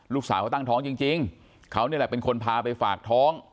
ลูกสาวเขาตั้งท้องจริงเขานี่แหละเป็นคนพาไปฝากท้อง